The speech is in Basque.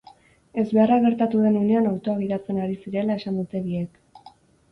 Ezbeharra gertatu den unean autoa gidatzen ari zirela esan dute biek.